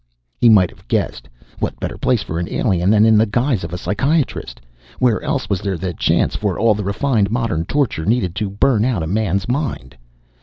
He might have guessed. What better place for an alien than in the guise of a psychiatrist? Where else was there the chance for all the refined, modern torture needed to burn out a man's mind?